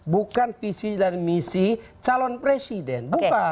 bukan visi dan misi calon presiden